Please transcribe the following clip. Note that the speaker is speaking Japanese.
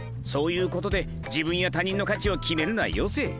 そういうことで自分や他人の価値を決めるのはよせ！